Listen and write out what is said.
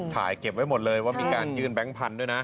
เก็บไว้หมดเลยว่ามีการยื่นแบงค์พันธุ์ด้วยนะ